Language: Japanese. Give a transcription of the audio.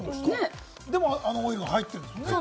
でも、あのオイルが入ってるんですもんね。